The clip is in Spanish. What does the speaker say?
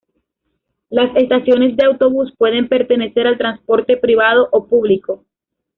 Las estaciones de autobús pueden pertenecer al transporte privado o público.